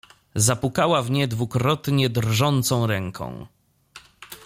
"Zapukała w nie dwukrotnie drżącą ręką."